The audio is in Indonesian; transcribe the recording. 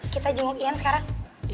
kita junggu ian sekarang